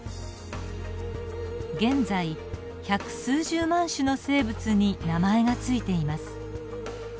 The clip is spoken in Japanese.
現在百数十万種の生物に名前が付いています。